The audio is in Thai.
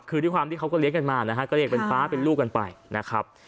คือด้วยความที่เขาก็เลี้ยงกันมานะฮะก็เรียกเป็นฟ้าเป็นลูกกันไปนะครับ